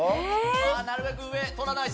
なるべく上取らないと。